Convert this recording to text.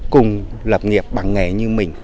cùng lập nghiệp bằng nghề như mình